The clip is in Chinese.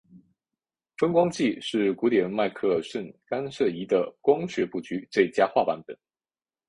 分光计是古典迈克耳孙干涉仪的光学布局最佳化版本。